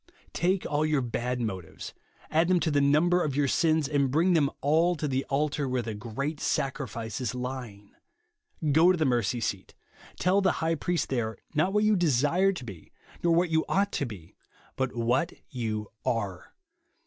Take all your bad JESUS ONLY. 173 motives ; add them to the number of your sins, and bring them all to the altar Avhere the great sacrifice is lying. Go to the mercy seat. Tell the High Priest there, not what you desire to be, nor what you ought to be, but wJiat you are.